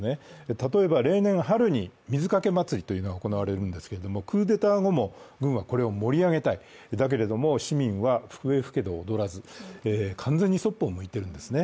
例えば例年春に水かけ祭りというのが行われるんですけれどもクーデター後も、軍はこれを盛り上げたい、だけれども、市民は笛吹けど踊らず完全にそっぽを向いているんですね。